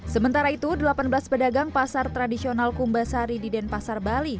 sementara itu delapan belas pedagang pasar tradisional kumbasari di denpasar bali